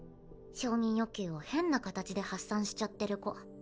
承認欲求を変な形で発散しちゃってる子。